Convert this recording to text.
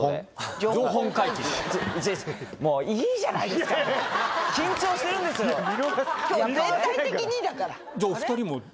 今日全体的にだから。